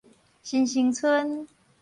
新生村